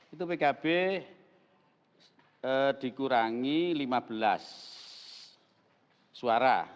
itu pkb dikurangi lima belas suara